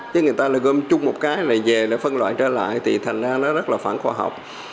chứ người ta là gom chung một cái này về để phân loại trở lại thì thành ra nó rất là phản khoa học